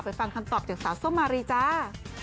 ไปฟังคำตอบจากส้มมารีจ้า